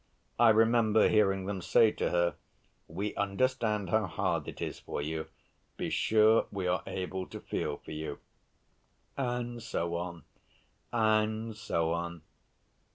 I remember hearing them say to her, "We understand how hard it is for you; be sure we are able to feel for you," and so on, and so on.